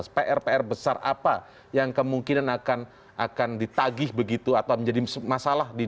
dua ribu delapan belas pr pr besar apa yang kemungkinan akan ditagih begitu atau menjadi masalah di dua ribu delapan belas